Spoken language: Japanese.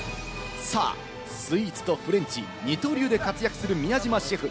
スイーツとフレンチ、二刀流で活躍する宮島シェフ。